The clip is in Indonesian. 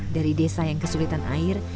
dari desa yang kesulitan air